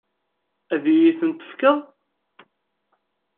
Ad iyi-ten-tefkeḍ?